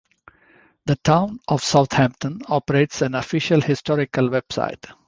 The Town of Southampton operates an official historical web site.